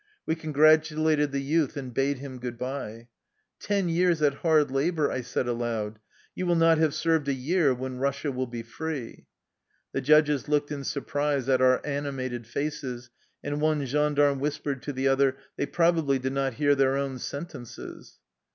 We congratulated the youth and bade him good by. " Ten years at hard labor !'' I said aloud. " You will not have served a year when Eussia will be free.'' The judges looked in surprise at our animated faces, and one gendarme whispered to the other :" They probably did not hear their own sen tences."